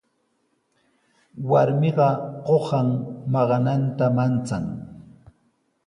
Warmiqa qusan maqananta manchan.